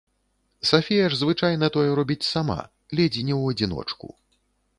Сафія ж звычайна тое робіць сама, ледзь не ў адзіночку.